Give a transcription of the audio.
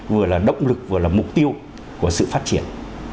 vừa là động lực vừa là mục tiêu của sự phát triển